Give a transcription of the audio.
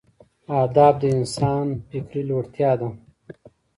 ادب د انسان فکري لوړتیا ده.